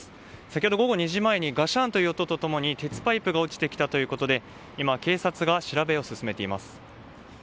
先ほど午後２時前にガシャンという音と共に鉄パイプが落ちてきたということで今、警察が調べを進めています。